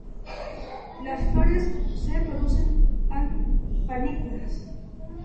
Las flores se producen an panículas.